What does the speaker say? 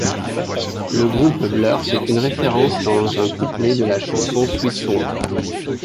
Le groupe Blur fait une référence dans un couplet de la chanson Sweet Song.